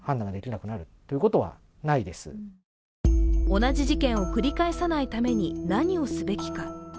同じ事件を繰り返さないために何をすべきか。